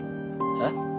えっ？